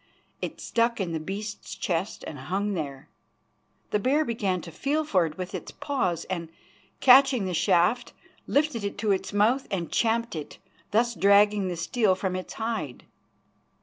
It stuck in the beast's chest and hung there. The bear began to feel for it with its paws, and, catching the shaft, lifted it to its mouth and champed it, thus dragging the steel from its hide.